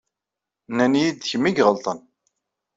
Nnan-iyi-d d kemm i iɣelṭen.